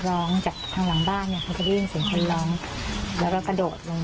ร้องจากห้างหลังบ้านก็จะรู้เสียงคนร้องแล้วกระโดดลง